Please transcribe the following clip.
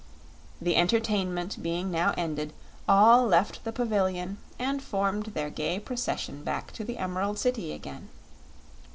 The entertainment being now ended, all left the pavilion and formed their gay procession back to the Emerald City again.